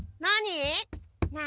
何？